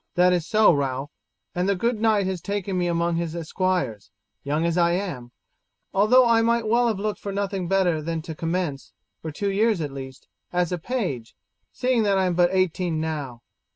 "That is so, Ralph, and the good knight has taken me among his esquires, young as I am, although I might well have looked for nothing better than to commence, for two years at least, as a page, seeing that I am but eighteen now.